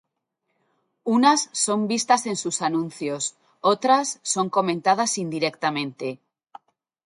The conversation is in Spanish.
Unas son vistas en sus anuncios, otras son comentadas indirectamente.